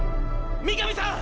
三上さん！